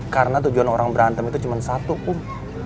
karena tujuan orang berantem itu cuma satu kum